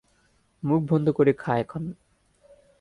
মুখবন্ধ করে খা এখন!